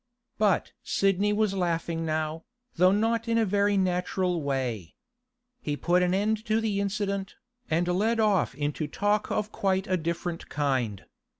But Sidney was laughing now, though not in a very natural way. He put an end to the incident, and led off into talk of quite a different kind.